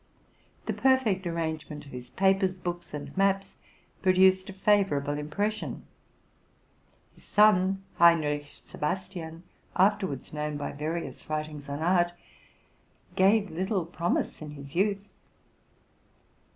The perfect arrangement of his papers, books, and maps produced a favorable impression. His son, Heinrich Sebastian, afterwards known by various writings on art, gave little promise in his youth.